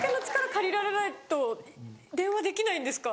借りられないと電話できないんですか？